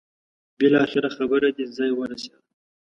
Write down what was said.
بالاخره خبره دې ځای ورسېده.